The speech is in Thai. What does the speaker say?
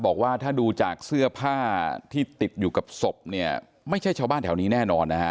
บอกว่าถ้าดูจากเสื้อผ้าที่ติดอยู่กับศพเนี่ยไม่ใช่ชาวบ้านแถวนี้แน่นอนนะฮะ